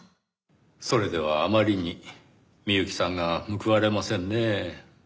それではあまりに美由紀さんが報われませんねぇ。